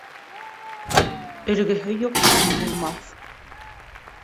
Өлгөһө юҡ тун булмаҫ.